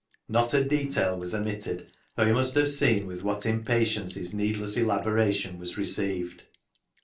Not a detail was omitted, though he must have seen with what impatience his needless elaboration was received.